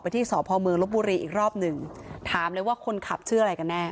ที่สพเมืองลบบุรีอีกรอบหนึ่งถามเลยว่าคนขับชื่ออะไรกันแน่